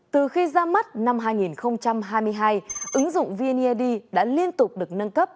từ khi ra mắt năm hai nghìn hai mươi hai ứng dụng vneid đã liên tục được nâng cấp